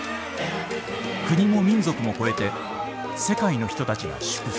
国も民族も超えて世界の人たちが祝福した。